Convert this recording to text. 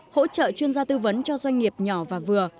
hỗ trợ chuyên gia tư vấn cho doanh nghiệp nhỏ và vừa